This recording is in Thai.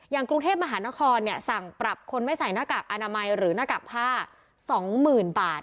กรุงเทพมหานครสั่งปรับคนไม่ใส่หน้ากากอนามัยหรือหน้ากากผ้า๒๐๐๐บาท